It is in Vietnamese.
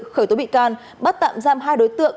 khởi tố bị can bắt tạm giam hai đối tượng